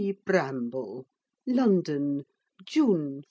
BRAMBLE LONDON, June 14.